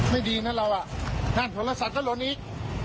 ไม่ดีนะเราอ่ะนั่นโทรศัพท์ก็หล่นอีก